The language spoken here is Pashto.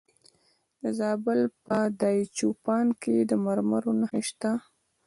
د زابل په دایچوپان کې د مرمرو نښې شته.